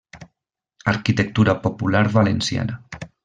Arquitectura popular valenciana.